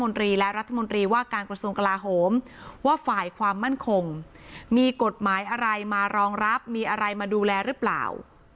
และรัฐมนตรีว่าการกระทรวงกลาโหมว่าฝ่ายความมั่นคงมีกฎหมายอะไรมารองรับมีอะไรมาดูแลหรือเปล่า